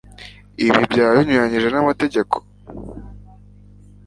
ibi byaba binyuranyije namategeko